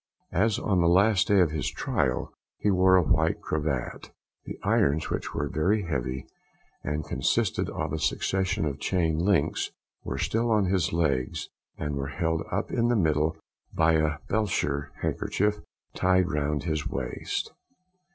As on the last day of his trial, he wore a white cravat. The irons, which were very heavy, and consisted of a succession of chain links, were still on his legs, and were held up in the middle by a Belcher handkerchief tied round his waist.